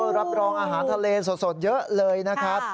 รับรองอาหารทะเลสดเยอะเลยนะครับ